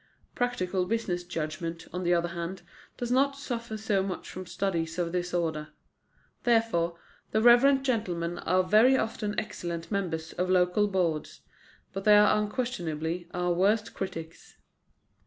Practical business judgment, on the other hand, does not suffer so much from studies of this order. Therefore the reverend gentlemen are very often excellent members of local boards; but they are unquestionably our worst critics."